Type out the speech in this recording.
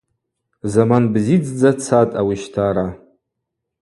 Заман бзидздза цатӏ ауищтара.